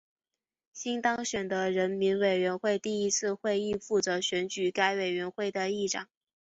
新当选的人民委员会第一次会议负责选举该委员会的议长。